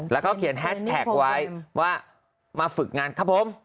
แล้วก็เขียนแฮชแท็กไว้ว่ามาฝึกงานครับผม